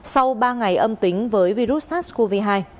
sau ba ngày âm tính với virus sars cov hai